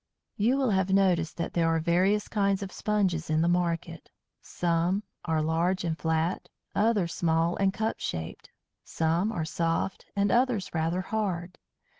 You will have noticed that there are various kinds of Sponges in the market; some are large and flat, others small and cup shaped; some are soft, and others rather hard.